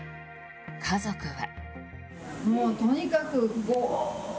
家族は。